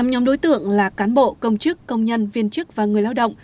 tám nhóm đối tượng là cán bộ công chức công nhân viên chức và người lao động